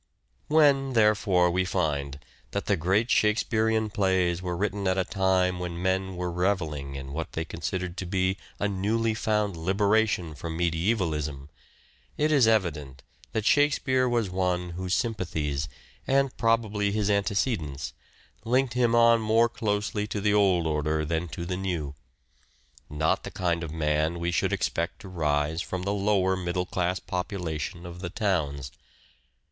When, therefore, we find that the great Shake 120 SPECIAL CHARACTERISTICS 121 spearean plays were written at a time when men were revelling in what they considered to be a newly found liberation from Medievalism, it is evident that Shakespeare was one whose sympathies, and probably his antecedents, linked him on more closely to the old order than to the new : not the kind of man we should expect to rise from the lower middle class population of the towns.